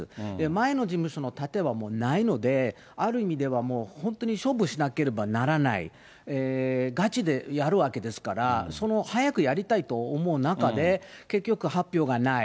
前の事務所のたてはないので、ある意味ではもう本当に勝負しなければならない、ガチでやるわけですから、早くやりたいと思う中で、結局発表がない。